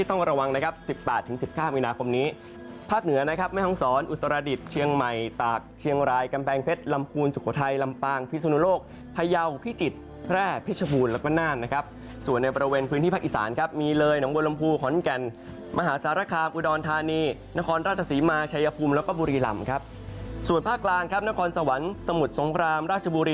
ต้องระวังนะครับ๑๘๑๙วีนาคมนี้ภาพเหนือนะครับแม่ท้องสอนอุตราดิษฐ์เชียงใหม่ตากเชียงรายกำแปลงเพชรลำคูณสุโขทัยลำปางพิสุโนโลกภายาวพิจิตรแพร่พิชบูรณ์แล้วก็นานนะครับส่วนในประเวนพื้นที่ภาคอิสานครับมีเลยหนังวลมพูข้อนกันมหาสารคาบอุดรธานีนครราชสีมาชายภูมิแล้วก็บุ